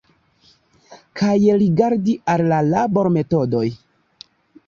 Kaj rigardi al la labormetodoj.